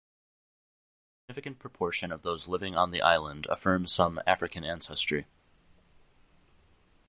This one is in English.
Thus a significant proportion of those living on the island affirm some African ancestry.